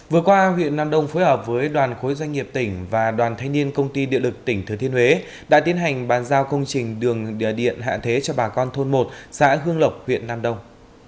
vừa qua huyện nam đông phối hợp với đoàn khối doanh nghiệp tỉnh và đoàn thanh niên công ty điện lực tỉnh thừa thiên huế đã tiến hành bàn giao công trình đường điện hạ thế cho bà con thôn một xã hương lộc huyện nam đông